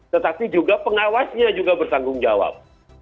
tetapi juga pengawasnya juga bertanggung jawab